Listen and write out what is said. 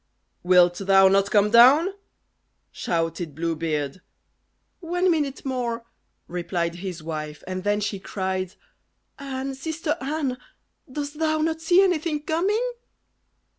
"Wilt thou not come down?" shouted Blue Beard. "One minute more," replied his wife, and then she cried, "Anne! sister Anne! dost thou not see anything coming?"